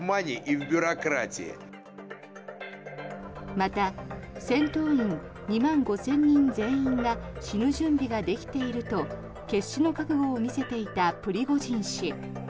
また戦闘員２万５０００人全員が死ぬ準備ができていると決死の覚悟を見せていたプリゴジン氏。